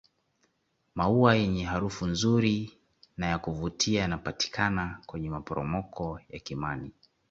maua yenye harufu nzuri na yakuvutia yanapatikana kwenye maporomoko ya kimani